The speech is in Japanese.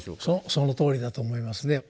そのとおりだと思いますね。